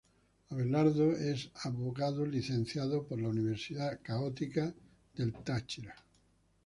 Abelardo es abogado egresado de la Universidad Católica del Táchira.